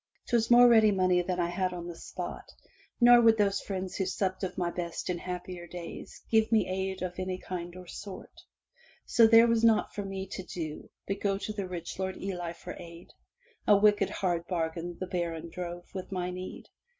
*Twas more ready money than I had on the spot, nor would those friends who supped of my best in happier days give me aid of any kind or sort. So was there naught for me to do but go to the rich Lord of Ely for aid. A wicked hard bargain the baron drove with my need.